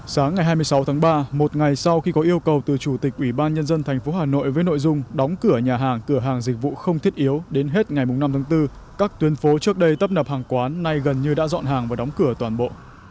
sáng ngày hai mươi sáu tháng ba một ngày sau khi có yêu cầu từ chủ tịch ủy ban nhân dân tp hà nội với nội dung đóng cửa nhà hàng cửa hàng dịch vụ không thiết yếu đến hết ngày năm tháng bốn các tuyến phố trước đây tấp nập hàng quán nay gần như đã dọn hàng và đóng cửa toàn bộ